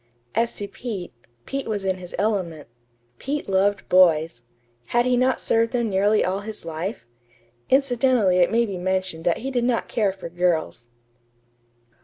As to Pete Pete was in his element. Pete loved boys. Had he not served them nearly all his life? Incidentally it may be mentioned that he did not care for girls.